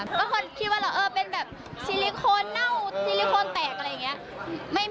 เพราะคนคิดว่าเราเออเป็นแบบซิลิโคนเน่าซิลิโคนแตกอะไรอย่างนี้